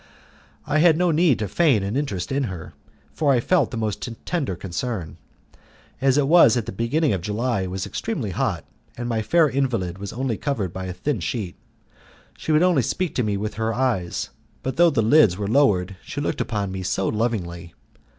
I had no need to feign an interest in her, for I felt the most tender concern. As it was at the beginning of July it was extremely hot, and my fair invalid was only covered by a thin sheet. She could only speak to me with her eyes, but though the lids were lowered she looked upon me so lovingly!